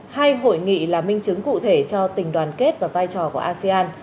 hai hội nghị là minh chứng cụ thể cho tình đoàn kết và vai trò của asean